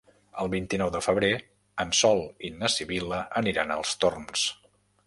El vint-i-nou de febrer en Sol i na Sibil·la aniran als Torms.